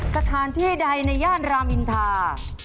สถานที่ใดในย่านรามอินทา